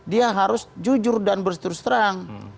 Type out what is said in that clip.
dia harus jujur dan berterus terang